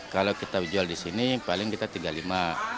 kalau kita jual di sini paling kita rp tiga puluh lima